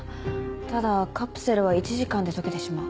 ただカプセルは１時間で溶けてしまう。